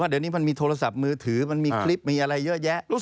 เดี๋ยวนี้มันมีโทรศัพท์มือถือมันมีคลิปมีอะไรเยอะแยะ